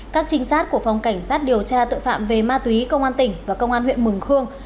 các trinh sát của phòng cảnh sát điều tra tội phạm về ma túy công an tỉnh và công an huyện mường khương